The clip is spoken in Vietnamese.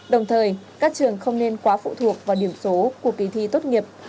đồng thời các trường không nên quá phụ thuộc vào điểm số của kỳ thi tốt nghiệp